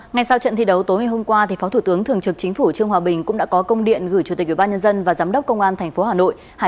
ngay sau trận thi đấu tối ngày hôm qua phó thủ tướng thường trực chính phủ trương hòa bình cũng đã có công điện gửi chủ tịch ủy ban nhân dân và giám đốc công an tp hà nội